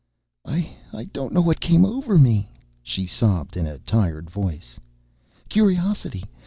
"I don't know what came over me," she sobbed in a tired voice. "Curiosity.